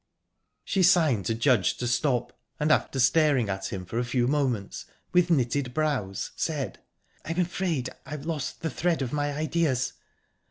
She signed to Judge to stop, and, after staring at him for a few moments, with knitted brows, said: "I'm afraid I've lost the thread of my ideas.